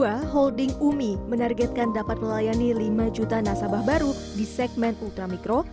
di tahun dua ribu dua puluh dua holding umi menargetkan dapat melayani lima juta nasabah baru di segmen ultra mikro